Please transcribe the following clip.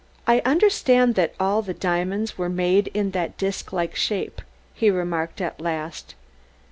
"I understand that all the diamonds were made in that disk like shape," he remarked at last.